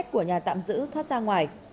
của nhà tạm giữ thoát ra ngoài